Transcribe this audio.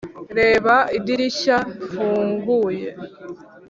reba idirishya rifunguye,